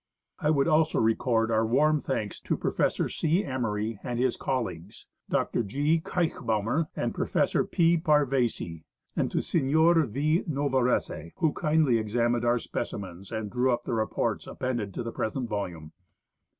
I would also record our warm thanks to Professor C. Emery and his colleagues, Dr. G. Kiechbaumer and Professor P. Pavesi, and to Signor V. Novarese, who kindly examined our specimens and drew up the reports appended to the present volume.